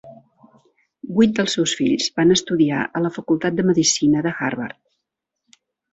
Vuit dels seus fills van estudiar a la facultat de medicina de Harvard.